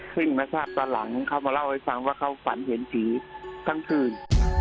ซึ่งมาทราบตอนหลังเขามาเล่าให้ฟังว่าเขาฝันเห็นผีทั้งคืน